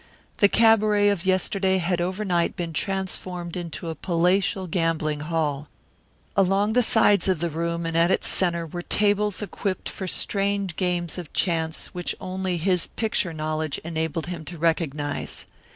The cabaret of yesterday had overnight been transformed into a palatial gambling hell. Along the sides of the room and at its centre were tables equipped for strange games of chance which only his picture knowledge enabled him to recognize.